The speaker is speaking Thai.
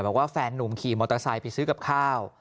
บอกว่าแฟนนุ่มขี่มอเตอร์ไซค์ไปซื้อกับข้าว